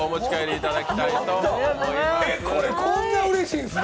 うれしい！